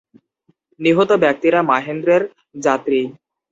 নিহত ব্যক্তিরা মাহেন্দ্রের যাত্রী।